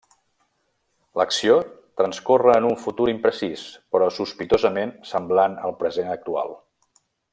L'acció transcorre en un futur imprecís però sospitosament semblant al present actual.